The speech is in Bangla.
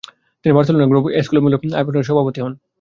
তিনি বার্সেলোনার গ্রুপ এসকোলার মিঁলে আই ফোনতানালস-এর সভাপতি হন।